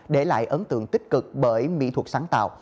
để lại ấn tượng tích cực bởi mỹ thuật sáng tạo